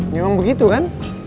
memang begitu kan